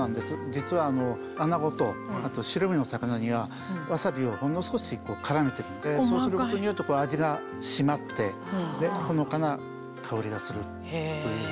実は穴子と白身の魚にはワサビをほんの少し絡めてるんでそうすることによって味が締まってほのかな香りがするというふうに。